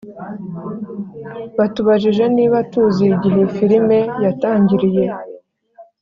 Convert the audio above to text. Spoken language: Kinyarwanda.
batubajije niba tuzi igihe filime yatangiriye.